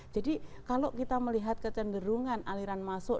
jadi kalau kita melihat kecenderungan aliran masuk